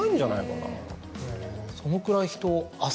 そのくらい。